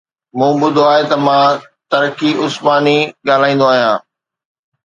مون ٻڌو آهي ته مان ترڪي عثماني ڳالهائيندو آهيان